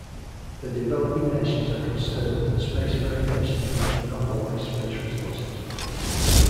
The developing nations are concerned that the spacefaring nations will monopolize space resources.